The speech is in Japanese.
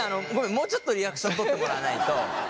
もうちょっとリアクション取ってもらわないと。